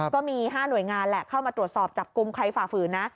ก็มี๕หน่วยงานแหละเข้ามาตรวจสอบจับกลุ่มใครฝ่าฝืนนะ